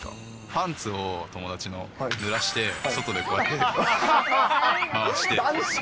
パンツを、友達の、ぬらして、外でこうやって回して。